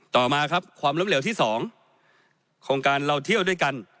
ต่อมาครับความล้มเหลวที่๒โครงการเราเที่ยวด้วยกัน